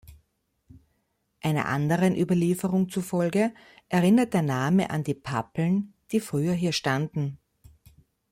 Einer anderen Überlieferung zufolge erinnert der Name an die Pappeln, die früher hier standen.